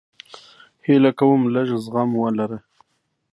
هیله کوم لږ زغم ولره